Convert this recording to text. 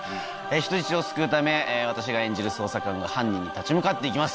人質を救うため私が演じる捜査官が犯人に立ち向かっていきます。